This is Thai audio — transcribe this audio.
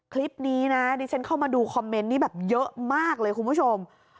คลิปนี้นะดิฉันเข้ามาดูคอมเมนต์นี้แบบเยอะมากเลยคุณผู้ชม